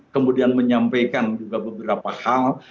kemudian menyampaikan juga beberapa hal